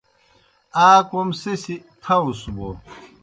آ کوْم سہ سیْ تھاؤس بوْ